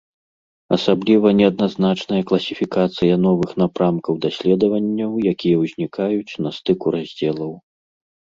Асабліва неадназначная класіфікацыя новых напрамкаў даследаванняў, якія ўзнікаюць на стыку раздзелаў.